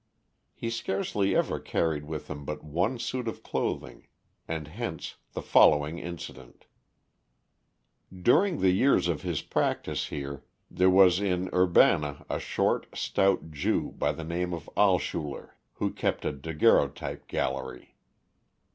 He scarcely ever carried with him but one suit of clothing and hence the following incident: During the years of his practice here, there was in Urbana a short, stout Jew by the name of Alschuler, who kept a daguerreotype gallery.